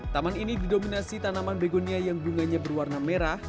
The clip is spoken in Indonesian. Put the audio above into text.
taman ini didominasi tanaman begonia yang bunganya berwarna merah